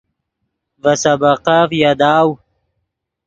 ڤے سبقف یاداؤ